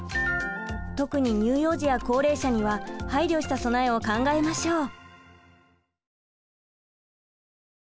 特に乳幼児や高齢者には配慮した備えを考えましょう。